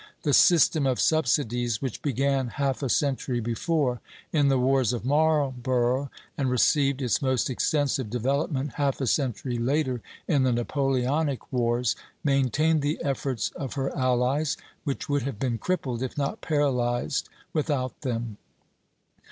The system of subsidies, which began half a century before in the wars of Marlborough and received its most extensive development half a century later in the Napoleonic wars, maintained the efforts of her allies, which would have been crippled, if not paralyzed, without them.